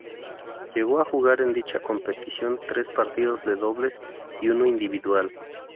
Llegó a jugar en dicha competición tres partidos de dobles y uno individual.